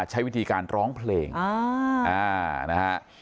ใช้วิธีการร้องเพลงนะฮะ